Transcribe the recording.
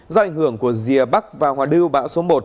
do ảnh hưởng của dìa bắc và hòa đưu bão số một